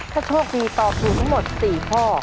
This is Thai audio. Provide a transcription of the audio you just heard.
ถ้าโชคดีตอบถูกทั้งหมด๔ข้อ